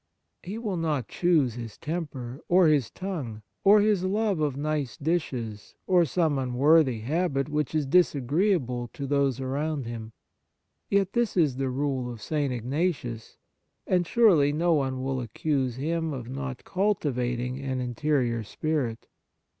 He will not choose his temper, or his tongue, or his love of nice dishes, or some unworthy habit which is disagreeable to those around him ; yet this is the rule of St. Ignatius, and surely no one will accuse him of not cultivating an interior spirit.